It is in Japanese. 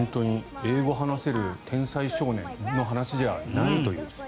英語を話せる天才少年の話じゃないという。